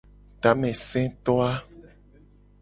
Tameseto a.